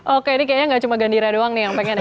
oke ini kayaknya nggak cuma gandira doang nih yang pengen ya